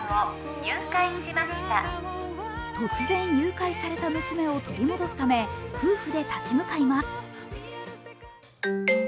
突然、誘拐された娘を取り戻すため夫婦で立ち向かいます。